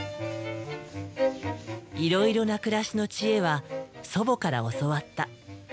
いろいろな暮らしの知恵は祖母から教わった。